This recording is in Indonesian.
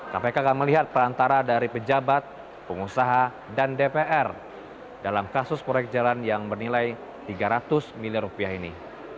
kpk akan melihat perantara dari pejabat pengusaha dan dpr dalam kasus proyek jalan yang bernilai tiga ratus miliar rupiah ini